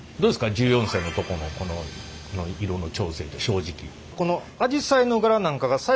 １４世のとこのこの色の調整って正直。